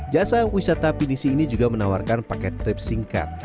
jasa wisata pinisi ini juga menawarkan paket trip singkat